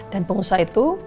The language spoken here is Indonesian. dan pengusaha itu